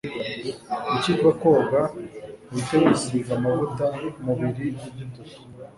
Ukiva koga uhite wisiga amavuta umubiri ugitose.